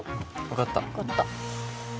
分かった。